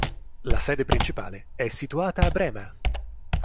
La sede principale è situata a Brema.